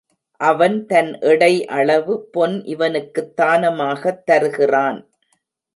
அவன் தன் எடை அளவு பொன் இவனுக்குத் தானமாகத் தருகிறான்.